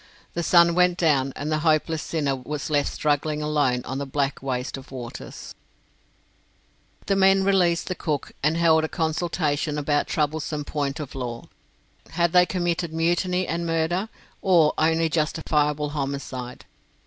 The sun went down, and the hopeless sinner was left struggling alone on the black waste of waters. The men released the cook and held a consultation about a troublesome point of law. Had they committed mutiny and murder, or only justifiable homicide?